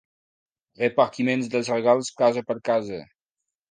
Repartiments dels regals casa per casa.